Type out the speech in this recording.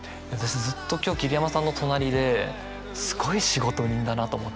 ずっと今日桐山さんの隣ですごい仕事人だなと思って。